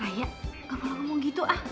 raya gak boleh ngomong gitu ah